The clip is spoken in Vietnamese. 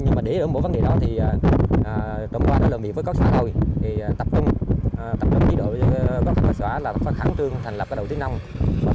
nhưng để ở mỗi vấn đề đó đồng quan lợi miệng với các xã hội tập trung tập trung với đội các xã hội là phát kháng trường thành lập đầu tiên năm